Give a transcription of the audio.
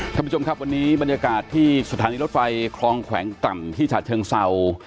ท่านผู้ชมครับวันนี้บรรยากาศที่สถานีรถไฟคลองแขวงกล่ำที่ฉะเชิงเศร้า